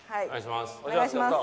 お願いします。